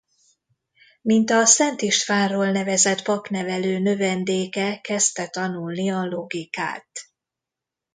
Mint a Szent Istvánról nevezett papnevelő növendéke kezdte tanulni a logikát.